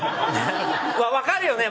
分かるよね？